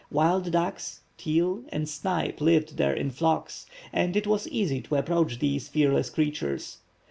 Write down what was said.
Wild ducks, teal, and snipe lived there in flocks, and it was easy to approach these fearless creatures.